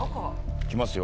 行きますよ。